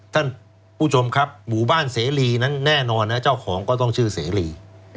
ท่านผู้ชมครับหมู่บ้านเสรีนั้นแน่นอนนะเจ้าของก็ต้องชื่อเสรี